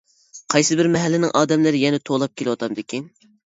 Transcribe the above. قايسىبىر مەھەللىنىڭ ئادەملىرى يەنە توۋلاپ كېلىۋاتامدىكىن.